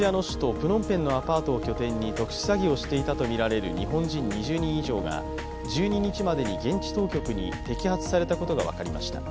プノンペンのアパートを拠点に特殊詐欺をしていたとみられる日本人２０人以上が１２日までに現地当局に摘発されたことが分かりました。